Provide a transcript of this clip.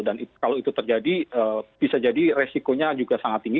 dan kalau itu terjadi bisa jadi resikonya juga sangat tinggi